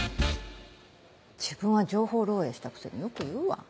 自分は情報漏洩したくせによく言うわ。